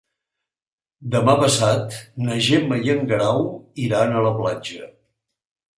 Demà passat na Gemma i en Guerau iran a la platja.